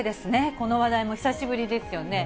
この話題も久しぶりですよね。